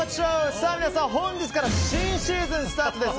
さあ皆さん、本日から新シーズンスタートです。